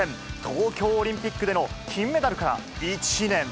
東京オリンピックでの金メダルから１年。